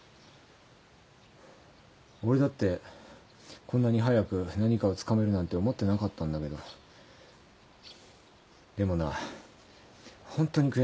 俺だってこんなに早く何かをつかめるなんて思ってなかったんだけどでもなホントに悔しいんだ。